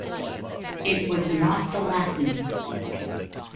It was not the Latin.